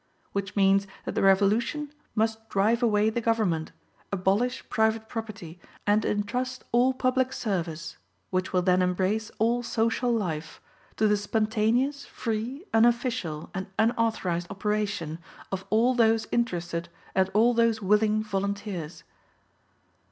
Which means that the revolution must drive away the government, abolish private property, and entrust all public service, which will then embrace all social life, to the spontaneous, free, unofficial and unauthorized operation of all those interested and all those willing volunteers.